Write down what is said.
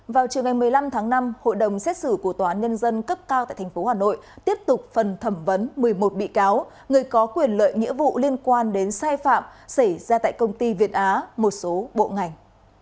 vào chiều ngày một mươi năm tháng năm hội đồng xét xử của tòa án nhân dân cấp cao tại tp hà nội tiếp tục phần thẩm vấn một mươi một bị cáo người có quyền lợi nghĩa vụ liên quan đến sai phạm xảy ra tại công ty việt á một số bộ ngành